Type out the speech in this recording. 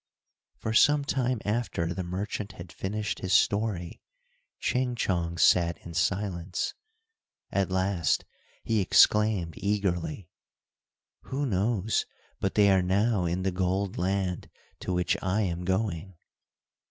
For some time after the merchant had finished his story, Ching Chong sat in silence. At last he exclaimed, eagerly, "who knows but they are now in the gold land to which I am going."